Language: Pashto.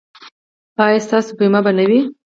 ایا ستاسو بیمه به نه وي؟